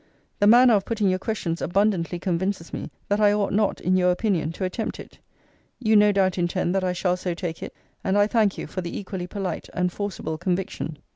The manner of putting your questions abundantly convinces me, that I ought not, in your opinion, to attempt it. You no doubt intend that I shall so take it; and I thank you for the equally polite and forcible conviction.